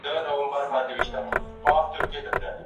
د زده کړې لپاره ملي پروګرامونه پلي کول اړین دي.